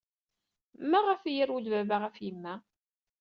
Maɣef ay yerwel baba ɣef yemma?